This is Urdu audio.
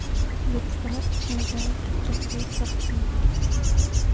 لطافت چھن جائے تو پھر سختی ہے۔